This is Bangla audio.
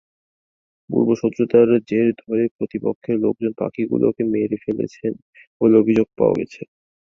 পূর্বশত্রুতার জের ধরে প্রতিপক্ষের লোকজন পাখিগুলোকে মেরে ফেলেছেন বলে অভিযোগ পাওয়া গেছে।